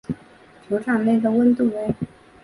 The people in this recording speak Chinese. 球场内温度为。